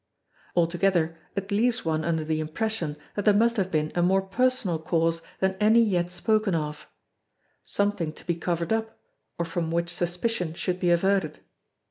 Altogether it leaves one under the impression that there must have been a more personal cause than any yet spoken of. Something to be covered up, or from which suspicion should be averted.